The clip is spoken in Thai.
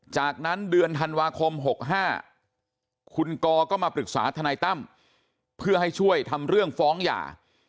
จากนั้นเดือนธันวาคม๖๕คุณกอก็มาปรึกษาทนายตั้มเพื่อให้ช่วยทำเรื่องฟ้องหย่า